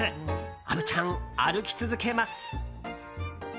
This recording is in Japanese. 虻ちゃん、歩き続けます。